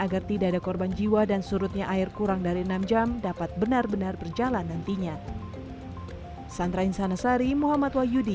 agar tidak ada korban jiwa dan surutnya air kurang dari enam jam dapat benar benar berjalan nantinya